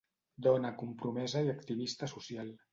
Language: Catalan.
Dona compromesa i activista social.